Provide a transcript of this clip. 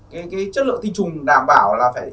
cái chất lượng tinh trùng đảm bảo là phải